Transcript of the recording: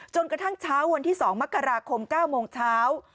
กระทั่งเช้าวันที่๒มกราคม๙โมงเช้า